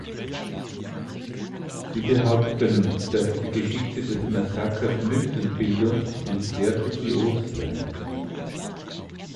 Sie behaupten, dass die Geschichte des Massakers „Mythenbildung“ und sehr „dubios“ sei.